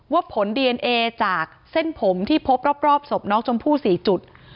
ผลดีเอนเอจากเส้นผมที่พบรอบศพน้องชมพู่๔จุด